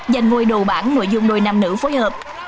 giành ngôi đồ bản nội dung đôi nam nữ phối hợp